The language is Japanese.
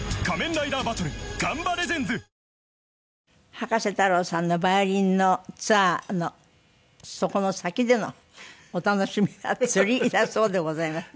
葉加瀬太郎さんのヴァイオリンのツアーのそこの先でのお楽しみは釣りだそうでございまして。